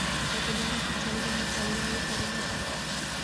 که ټولنه پېچلې وي نو مطالعه یې اړینه ده.